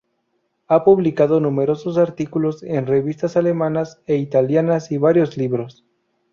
Ha publicado numerosos artículos en revistas alemanas e italianas y varios libros.